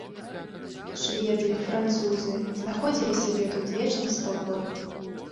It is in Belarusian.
Шведы, французы знаходзілі сабе тут вечны спакой.